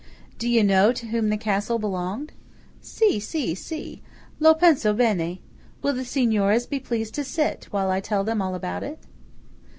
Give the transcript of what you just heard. "Do you know to whom the castle belonged?" "Si, si, si–lo penso bene! Will the Signoras be pleased to sit, while I tell them all about it?"